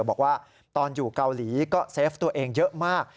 บอกว่าตอนอยู่เกาหลีก็เซฟตัวเองเยอะมาก